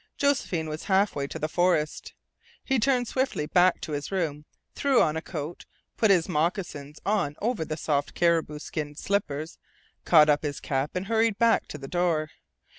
Josephine was halfway to the forest. He turned swiftly back to his room, threw on a coat, put his moccasins on over the soft caribou skin slippers, caught up his cap, and hurried back to the door.